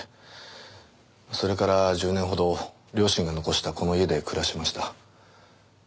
それから１０年ほど両親が残したこの家で暮らしました。